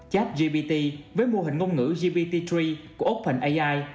jack gpt với mô hình ngôn ngữ gpt ba của openai